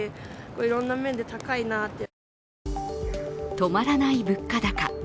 止まらない物価高。